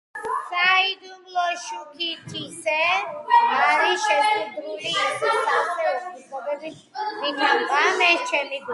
საიდუმლო შუქითისე არის შესუდრული ისე სავსე უხვ გრძნობებით ვით ამ ღამეს ჩემი გული